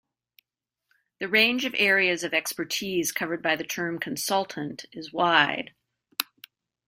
The range of areas of expertise covered by the term "consultant" is wide.